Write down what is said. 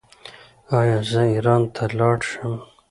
ایا زه ایران ته لاړ شم؟